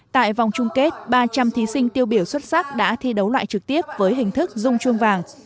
tại vòng chung kết ba trăm linh thí sinh tiêu biểu xuất sắc đã thi đấu loại trực tiếp với hình thức dung chuông vàng